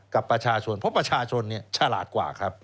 กับประชาชนเพราะประชาชนฉลาดกว่าครับ